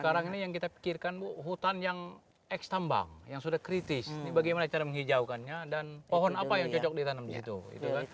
sekarang ini yang kita pikirkan bu hutan yang ekstambang yang sudah kritis ini bagaimana cara menghijaukannya dan pohon apa yang cocok ditanam di situ